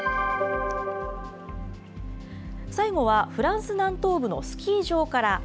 最後はフランス南東部のスキー場から。